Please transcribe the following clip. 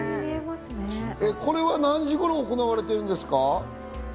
これは何時頃行われているんですか？